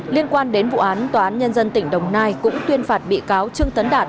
liên quan đến vụ án tòa án nhân dân tỉnh đồng nai cũng tuyên phạt bị cáo trương tấn đạt